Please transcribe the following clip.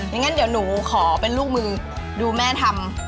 อย่างนั้นเดี๋ยวหนูขอเป็นลูกมือดูแม่ทำ